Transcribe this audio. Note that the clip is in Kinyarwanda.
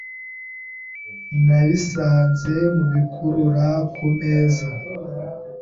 Nabisanze mubikurura kumeza.